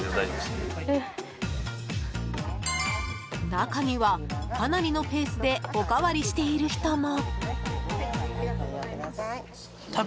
中には、かなりのペースでおかわりしている人も。